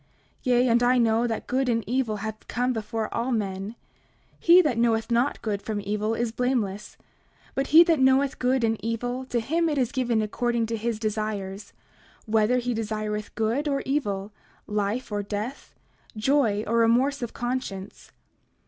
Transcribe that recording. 29:5 Yea, and I know that good and evil have come before all men; he that knoweth not good from evil is blameless; but he that knoweth good and evil, to him it is given according to his desires, whether he desireth good or evil, life or death, joy or remorse of conscience.